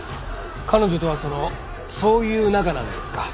彼女とはそのそういう仲なんですか？